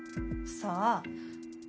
「さあ」？